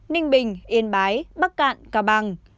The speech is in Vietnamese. ninh bình yên bái bắc cạn cao bằng